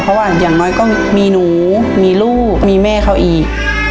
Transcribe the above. เพราะว่าอย่างน้อยก็มีหนูมีลูกมีแม่เขาอีก